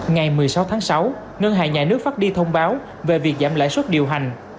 ngày một mươi sáu tháng sáu ngân hàng nhà nước phát đi thông báo về việc giảm lãi suất điều hành